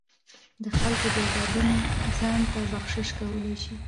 د خلکو جایدادونه ځان ته بخشش کولای شي.